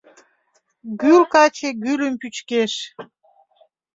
Гӱл каче гӱлым пӱчкеш.